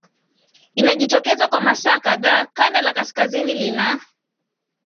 inajitokeza kwa masaa kadhaa Kanda la kaskazini lina